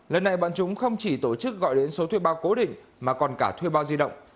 lần này bọn chúng không chỉ tổ chức gọi đến số thuê bao cố định mà còn cả thuê bao di động